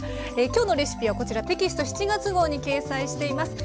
今日のレシピはこちらテキスト７月号に掲載しています。